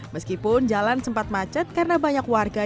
meskipun jalan sempat macet karena banyak warga